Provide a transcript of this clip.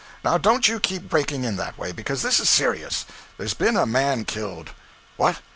Now don't you keep breaking in that way, because this is serious. There's been a man killed.' 'What!